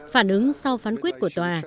phản ứng sau phán quyết của tòa